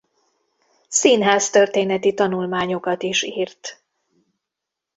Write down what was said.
Színháztörténeti tanulmányokat is írt.